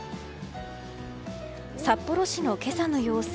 札幌市の今朝の様子。